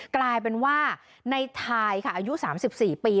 กลายเป็นว่าในทายค่ะอายุ๓๔ปี